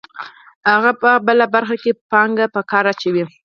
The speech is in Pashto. هغه په بله برخه کې پانګه په کار اچوي